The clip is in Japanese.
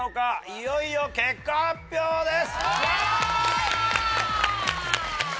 いよいよ結果発表です。